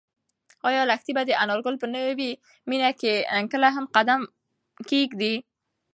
ایا لښتې به د انارګل په نوې مېنه کې کله هم قدم کېږدي؟